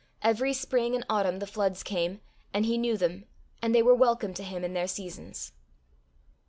Every spring and autumn the floods came, and he knew them, and they were welcome to him in their seasons.